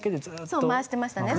そう回してましたね。